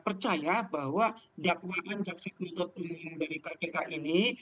percaya bahwa dakwaan jaksek menter umum dari kpk ini